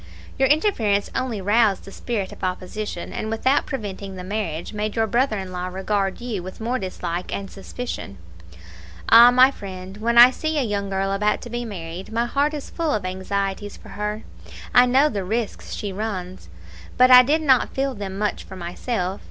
Your interference only roused the spirit of opposition, and without preventing the marriage, made your brother in law regard you with more dislike and suspicion. Ah! my friend, when I see a young girl about to be married, my heart is full of anxieties for her I know the risk she runs. But I did not feel them much for myself.